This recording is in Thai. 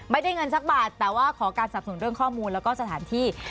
ไม่ได้เงินสักบาทแต่ว่าขอการสับสนุนเรื่องข้อมูลแล้วก็สถานที่